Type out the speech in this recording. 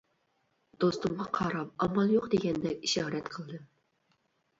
دوستۇمغا قاراپ ئامال يوق دېگەندەك ئىشارەت قىلدىم.